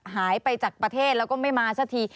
หายไปจากประเทศแล้วก็ไม่มาสักที